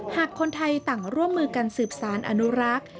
หากคนไทยต่างร่วมมือกันสืบสารอนุรักษ์